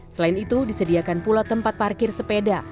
selain itu disediakan pula tempat parkir sepeda